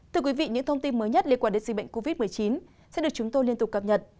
thưa quý vị những thông tin mới nhất liên quan đến dịch bệnh covid một mươi chín sẽ được chúng tôi liên tục cập nhật